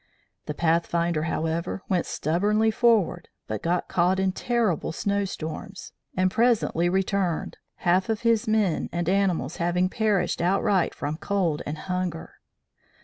The Pathfinder, however, went stubbornly forward, but got caught in terrible snowstorms, and presently returned half of his men and animals having perished outright from cold and hunger.